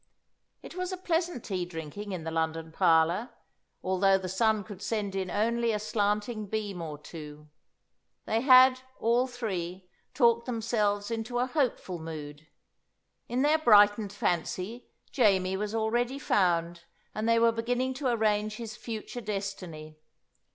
It was a pleasant tea drinking in the London parlour, although the sun could send in only a slanting beam or two. They had, all three, talked themselves into a hopeful mood. In their brightened fancy Jamie was already found, and they were beginning to arrange his future destiny.